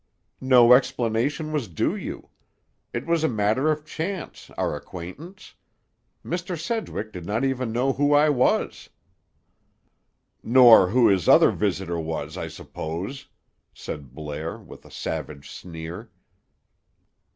"No explanation was due you. It was a matter of chance, our acquaintance. Mr. Sedgwick did not even know who I was." "Nor who his other visitor was, I suppose!" said Blair with a savage sneer.